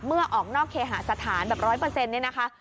เมื่อออกนอกเขหาสถานแบบร้อยเปอร์เซ็นต์นะคะ